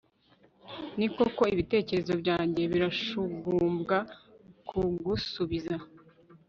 ni koko, ibitekerezo byanjye birashyugumbwa kugusubiza